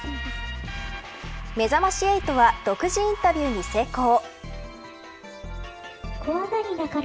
めざまし８は独自インタビューに成功。